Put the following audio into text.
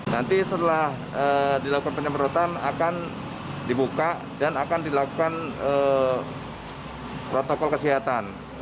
nanti setelah dilakukan penyemprotan akan dibuka dan akan dilakukan protokol kesehatan